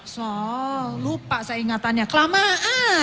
so lupa seingatannya kelamaan